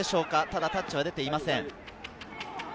ただタッチは出ていません。